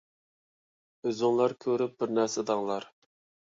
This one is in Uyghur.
ئۆزۈڭلار كۆرۈپ بىر نەرسە دەڭلار.